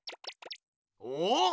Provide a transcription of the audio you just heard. おっ！